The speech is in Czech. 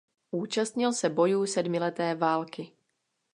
Účastnil se bojů sedmileté války.